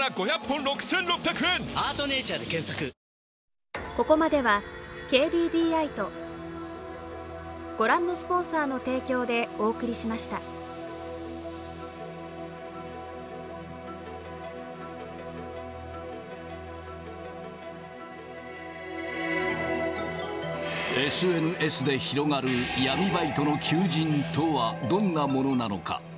受けた案件というのは、ＳＮＳで広がる闇バイトの求人とはどんなものなのか。